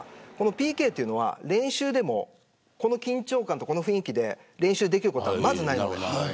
ＰＫというのは、練習でもこの緊張感とこの雰囲気で練習できることはまずないです。